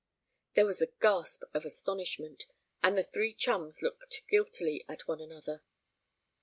There was a gasp of astonishment, and the three chums looked guiltily at one another.